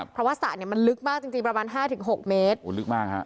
เพราะว่าสระนี้มันลึกมากจริงประมาณ๕๖เมตรโหลึกมากค่ะ